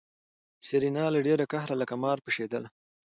سېرېنا له ډېره قهره لکه مار پشېدله.